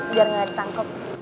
biar nggak ditangkep